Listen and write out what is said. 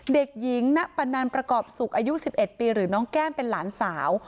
เด็กหญิงณปนันประกอบสุขอายุ๑๑ปีหรือน้องแก้มเป็นหลานสาว